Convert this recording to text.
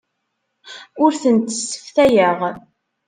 Ur tent-sseftayeɣ.